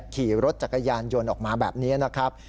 ขี่รถจักรยานยนต์ออกมาแบบนี้นะครับ